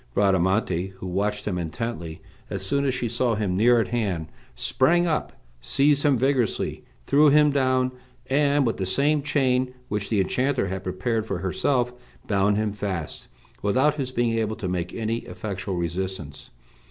Bradamante, who watched him intently, as soon as she saw him near at hand, sprang up, seized him vigorously, threw him down, and, with the same chain which the enchanter had prepared for herself, bound him fast, without his being able to make any effectual resistance.